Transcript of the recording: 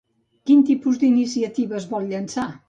Quin tipus d'iniciatives vol llençar?